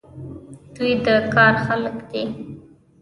دوی د کار خلک دي.